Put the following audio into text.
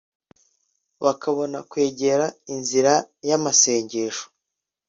bakabona kwegera inzira y’amasengesho